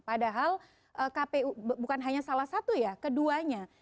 padahal kpu bukan hanya salah satu ya keduanya